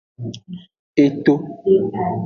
E to.